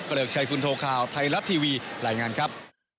เกลือกชัยคุณโทรข่าวไทรัตทีวีรายงานครับ